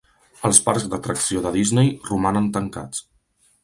Els parcs d'atracció de Disney romanen tancats